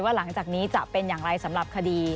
หลังจากนี้จะเป็นอย่างไรสำหรับคดี